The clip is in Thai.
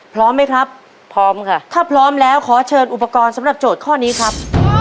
พร้อมไหมครับพร้อมค่ะถ้าพร้อมแล้วขอเชิญอุปกรณ์สำหรับโจทย์ข้อนี้ครับ